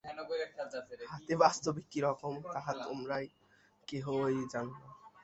হাতী বাস্তবিক কি রকম, তাহা তোমরা কেহই জান না।